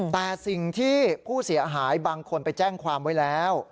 แต่สิ่งที่ผู้เสียหายบางคนไปแจ้งความไว้แล้ว